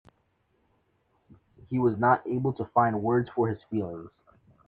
He was not able to find words for his feelings.